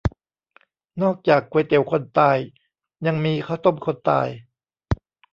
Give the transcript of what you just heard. นอกจากก๋วยเตี๋ยวคนตาย ยังมีข้าวต้มคนตาย